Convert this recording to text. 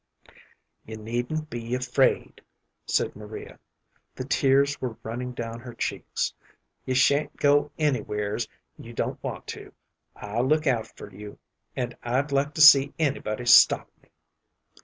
"You needn't be afraid," said Maria. The tears were running down her cheeks. "You sha'n't go anywheres you don't want to. I'll look out for you, and I'd like to see anybody stop me."